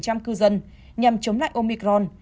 nhằm chống lại omicron